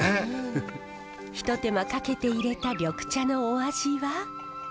一手間かけていれた緑茶のお味は。